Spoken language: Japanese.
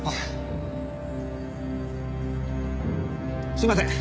すいません！